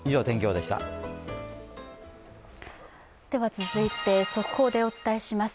続いて、速報でお伝えします。